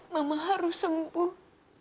mama harus sembuh